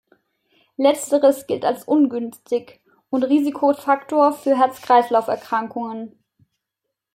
Letzteres gilt als ungünstig und Risikofaktor für Herz-Kreislauf-Erkrankungen.